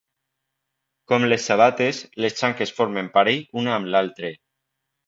Com les sabates, les xanques formen parell una amb l'altre.